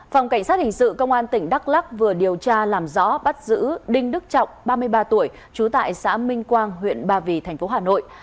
phòng cảnh sát hình sự công an tỉnh đắk lắc vừa điều tra làm rõ bắt giữ đinh đức trọng ba mươi ba tuổi trú tại xã minh quang huyện ba vì thành phố hà nội